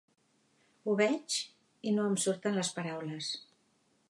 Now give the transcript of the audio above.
Ho veig i no em surten les paraules.